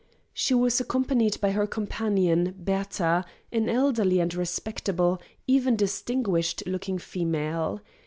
She was accompanied by her companion, Bertha, an elderly and respectable, even distinguished looking female.